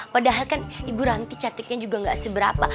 padahal kan ibu ranti cantiknya juga gak seberapa